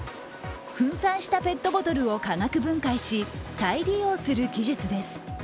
粉砕したペットボトルを化学分解し再利用する技術です。